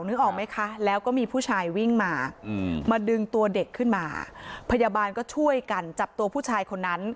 นึกออกไหมคะแล้วก็มีผู้ชายวิ่งมามาดึงตัวเด็กขึ้นมาพยาบาลก็ช่วยกันจับตัวผู้ชายคนนั้น